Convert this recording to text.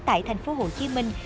tại thành phố hồ chí minh